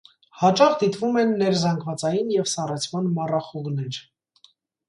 Հաճախ դիտվում են ներզանգվածային և սառեցման մառախուղներ։